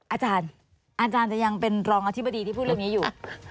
อาจารย์อาจารย์จะยังเป็นรองอธิบดีที่พูดเรื่องนี้อยู่